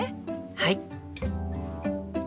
はい！